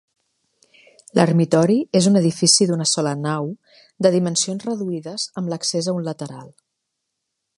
L'ermitori és un edifici d'una sola nau, de dimensions reduïdes, amb l'accés a un lateral.